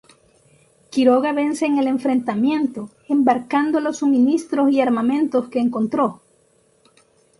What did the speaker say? Quiroga vence en el enfrentamiento, embarcando los suministros y armamentos que encontró.